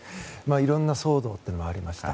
いろんな騒動というのがありました。